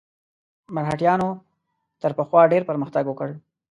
مرهټیانو تر پخوا ډېر پرمختګ وکړ.